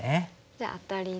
じゃあアタリで。